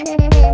kau mau kemana